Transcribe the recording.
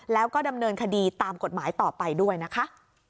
แล้วก็ดำเนินคดีตามกฎหมายต่อไปด้วยนะคะ